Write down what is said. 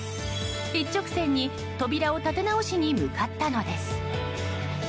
一直線に扉を立て直しに向かったのです。